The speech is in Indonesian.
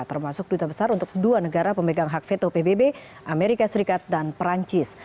termasuk duta besar untuk dua negara pemegang hak veto pbb amerika serikat dan perancis